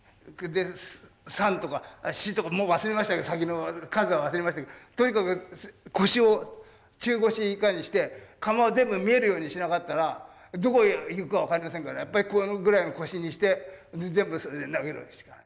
もう忘れましたけど先の数は忘れましたけどとにかく腰を中腰以下にして窯を全部見えるようにしなかったらどこへいくか分かりませんからやっぱりこのぐらいの腰にして全部それで投げるわけですから。